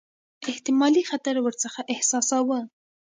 احتمالي خطر ورڅخه احساساوه.